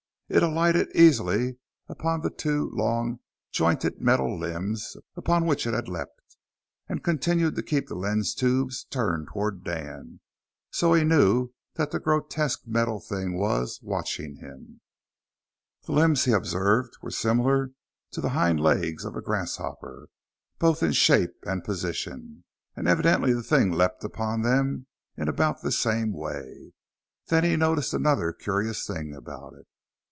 It alighted easily upon the two long, jointed metal limbs upon which it had leapt, and continued to keep the lens tubes turned toward Dan, so he knew that the grotesque metal thing was watching him. The limbs, he observed, were similar to the hind legs of a grasshopper, both in shape and position. And evidently the thing leapt upon them in about the same way. Then he noticed another curious thing about it.